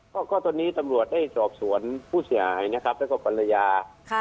ก็ตอนนี้ตำรวจได้สอบสวนผู้เสียหายนะครับแล้วก็ภรรยา